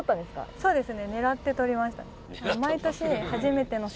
そうですね。